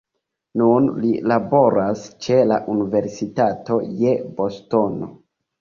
Nun li laboras ĉe la Universitato je Bostono.